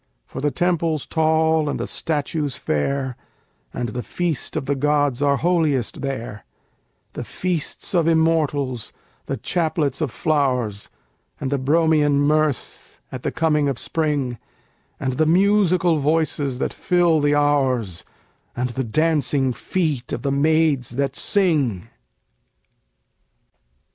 For the temples tall and the statues fair, And the feasts of the gods are holiest there; The feasts of Immortals, the chaplets of flowers, And the Bromian mirth at the coming of spring, And the musical voices that fill the hours, And the dancing feet of the maids that sing!